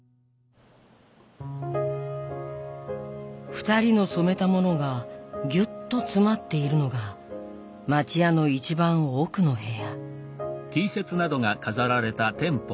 ２人の染めたものがぎゅっと詰まっているのが町家の一番奥の部屋。